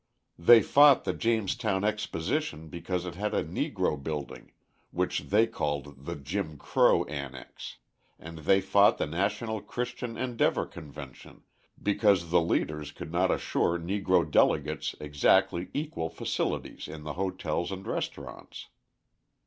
They fought the Jamestown Exposition because it had a Negro Building, which they called the "Jim Crow Annex," and they fought the National Christian Endeavour Convention because the leaders could not assure Negro delegates exactly equal facilities in the hotels and restaurants.